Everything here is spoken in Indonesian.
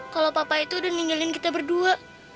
kalau papa itu udah ninggalin kita berdua